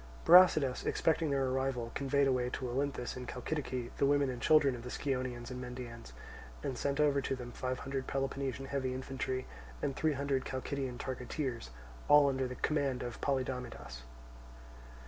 Brasidas, expecting their arrival, conveyed away to Olynthus in Chalcidice the women and children of the Scionaeans and Mendaeans, and sent over to them five hundred Peloponnesian heavy infantry and three hundred Chalcidian targeteers, all under the command of Polydamidas.